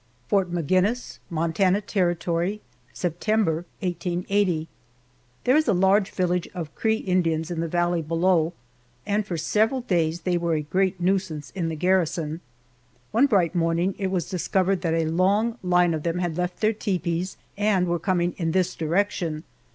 FORT MAGINNIS, MONTANA TERRITORY, September, 1880. THERE is a large village of Cree Indians in the valley below, and for several days they were a great nuisance in the garrison. One bright morning it was discovered that a long line of them had left their tepees and were coming in this direction.